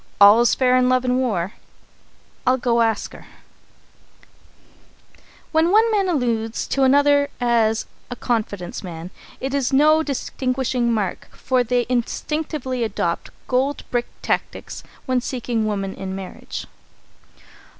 'All is fair in love and war' I'll go and ask her!" [Sidenote: Gold Brick Tactics] When one man alludes to another as a "confidence man," it is no distinguishing mark, for they instinctively adopt gold brick tactics when seeking woman in marriage.